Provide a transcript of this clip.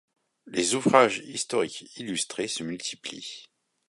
Les ouvrages historiques illustrés se multiplient.